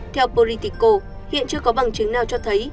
theo poritico hiện chưa có bằng chứng nào cho thấy